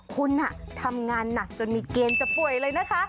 คุณทำงานหนักจนมีเกณฑ์จะป่วยเลยนะคะ